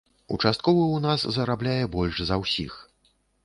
Участковы ў нас зарабляе больш за ўсіх.